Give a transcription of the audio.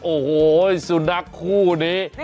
โอ้โหสุนัขคู่นี้